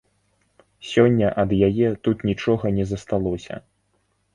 Сёння ад яе тут нічога не засталося.